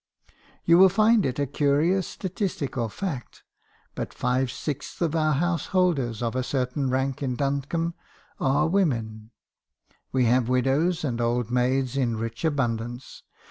" 4 You will find it a curious statistical fact, but five sixths of our householders of a certain rank in Duncombe are women. We have widows and old maids in rich abundance.